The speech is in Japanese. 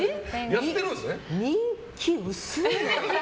人気薄いの。